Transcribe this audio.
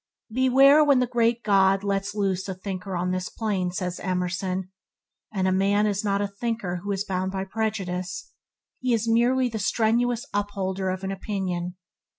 "Beware when the great God lets loose a thinker on this plane," says Emerson; and a man is not a thinker who is bound by prejudice; he is merely the strenuous upholder of an opinion.